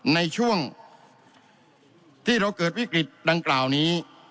ในช่วงที่เราเกิดวิกฤตดังกล่าวนี้